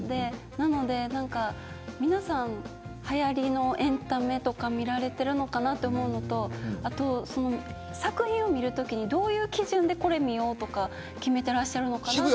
なので、皆さんはやりのエンタメとか見られてるのかなと思うのとあと、作品を見るときにどういう基準でこれ見ようとか決めてらっしゃるのかなって。